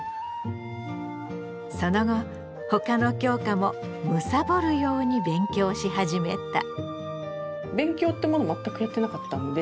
その後他の教科も貪るように勉強し始めた。